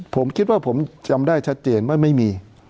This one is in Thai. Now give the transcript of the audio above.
ผมคิดว่าผมจำได้ชัดเจนว่าไม่มี